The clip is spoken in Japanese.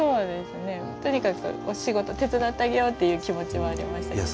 とにかくお仕事手伝ってあげようっていう気持ちはありましたけど。